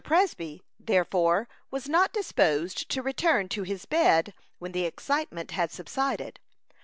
Presby, therefore, was not disposed to return to his bed when the excitement had subsided.